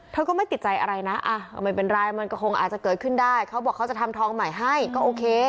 เธอก็ไม่ติดใจอะไรนะไม่เป็นไรมันก็คงอาจจะเกิดขึ้นได้เขาบอกเขาจะทำทองใหม่ให้ก็โอเค